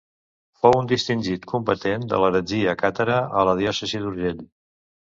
Fou un distingit combatent de l'heretgia càtara a la diòcesi d’Urgell.